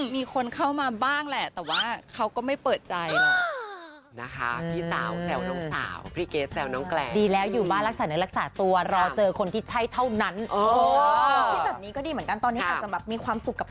มีคนเข้ามาบ้างแหละแต่ว่าเขาก็ไม่เปิดใจหรอก